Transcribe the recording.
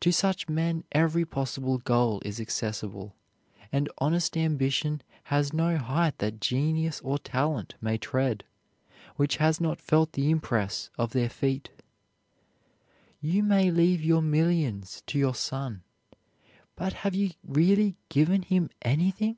To such men, every possible goal is accessible, and honest ambition has no height that genius or talent may tread, which has not felt the impress of their feet. You may leave your millions to your son, but have you really given him anything?